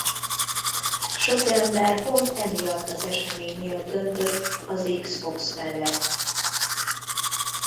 Sok ember pont emiatt az esemény miatt döntött az Xbox mellett.